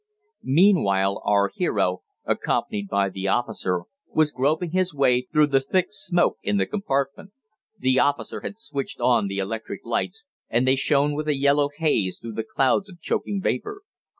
Meanwhile our hero, accompanied by the officer, was groping his way through the thick smoke in the compartment. The officer had switched on the electric lights, and they shone with a yellow haze through the clouds of choking vapor.